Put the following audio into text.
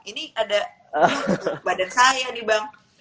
ini ada badan saya nih bang